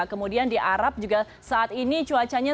kemudian di arab juga saat ini cuacanya